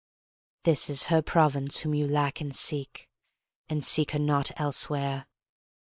This is her province whom you lack and seek; And seek her not elsewhere.